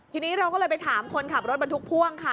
ทีนี้เราก็เลยไปถามคนขับรถบรรทุกพ่วงค่ะ